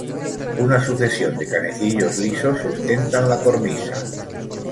Una sucesión de canecillos lisos sustentan la cornisa.